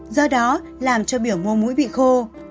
do đó làm cho biểu mô mũi bị khô